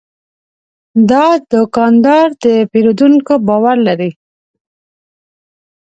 دا دوکاندار د پیرودونکو باور لري.